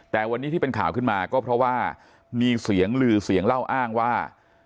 แต่วันนี้ที่เป็นข่าวขึ้นมาก็เพราะว่ามีเสียงลือเสียงเล่าอ้างว่า